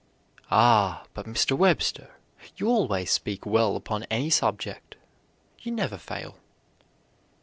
"Ah, but, Mr. Webster, you always speak well upon any subject. You never fail."